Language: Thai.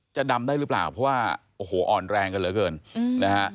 ดำได้หรือเปล่าเพราะว่าโอ้โหอ่อนแรงกันเหลือเกินนะฮะ